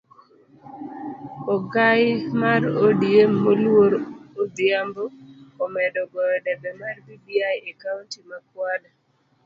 Ogai mar odm moluor Odhiambo omedo goyo debe mar bbi e kaunti ma kwale